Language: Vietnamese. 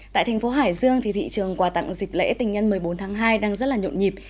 tại thành phố hải dương thì thị trường quà tặng dịp lễ tình nhân một mươi bốn tháng hai đang rất là nhộn nhịp